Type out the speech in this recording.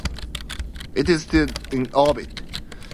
It is still in orbit.